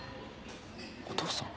お父さん？